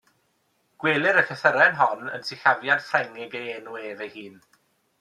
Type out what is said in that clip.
Gwelir y llythyren hon yn sillafiad Ffrengig ei enw ef ei hun.